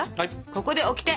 ここでオキテ！